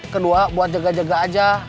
kedua buat jaga jaga aja